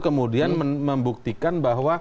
kemudian membuktikan bahwa